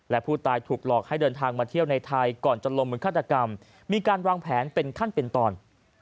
และผู้ตายถูกหลอกให้เดินทางมาเที่ยวในไทยก่อนจะลงมือฆาตกรรมมีการวางแผนเป็นขั้นเป็นตอน